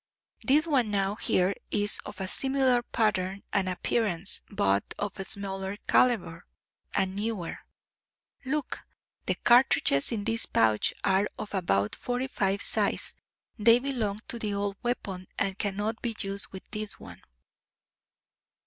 "This one now here is of a similar pattern and appearance, but of smaller calibre, and newer. Look! The cartridges in this pouch are of about 45 size; they belong to the old weapon and cannot be used with this one."